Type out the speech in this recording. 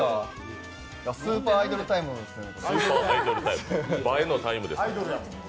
スーパーアイドルタイムですね。